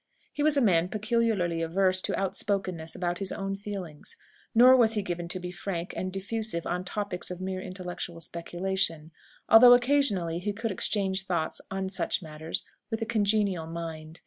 He was a man peculiarly averse to outspokenness about his own feelings. Nor was he given to be frank and diffusive on topics of mere intellectual speculation; although, occasionally, he could exchange thoughts on such matters with a congenial mind.